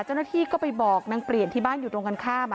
เจ้าหน้าที่ก็ไปบอกนางเปลี่ยนที่บ้านอยู่ตรงกันข้าม